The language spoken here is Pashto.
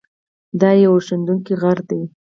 دا یو اورښیندونکی غر دی.